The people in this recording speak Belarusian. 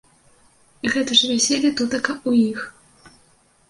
Гэта ж вяселле тутака ў іх.